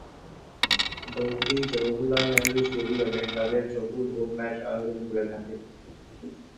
দলটি জওহরলাল নেহরু স্টেডিয়ামে তাদের সকল হোম ম্যাচ আয়োজন করে থাকে।